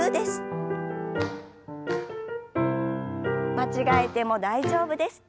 間違えても大丈夫です。